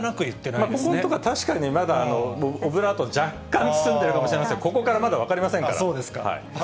ここのところは確かに、まだオブラート、若干包んでるかもしれません、ここからまだ分かりませんから。